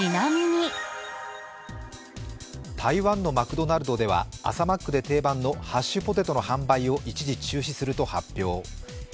台湾のマクドナルドでは朝マックで定番のハッシュポテトの販売を一時中止すると発表。